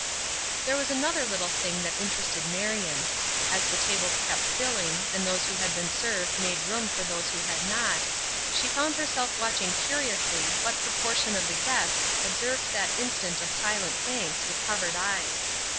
There was another little thing that interested Marion. As the tables kept filling, and those who had been served made room for those who had not, she found herself watching curiously what proportion of the guests observed that instant of silent thanks with covered eyes.